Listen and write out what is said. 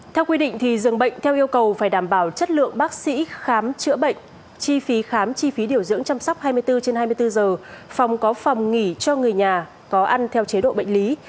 theo quy định dường bệnh theo yêu cầu phải đảm bảo chất lượng bác sĩ khám chữa bệnh chi phí khám chi phí điều dưỡng chăm sóc hai mươi bốn trên hai mươi bốn giờ phòng có phòng nghỉ cho người nhà có ăn theo chế độ bệnh lý